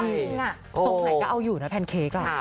จบไหนก็เอาอยู่นะแพนเคคอ่ะ